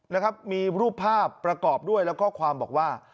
นะครับมีรูปภาพประกอบด้วยและข้อความบอกว่า